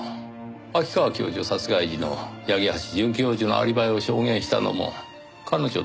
秋川教授殺害時の八木橋准教授のアリバイを証言したのも彼女ですよ。